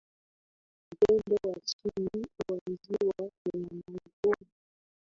upande wa chini wa Ziwa Nyamagoma